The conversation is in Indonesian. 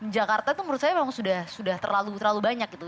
jakarta itu menurut saya memang sudah terlalu banyak gitu